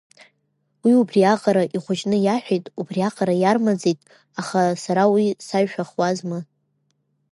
Уи убриаҟара ихәыҷны иаҳәеит, убриаҟара иармаӡеит, аха сара уи саҩшәахуазма…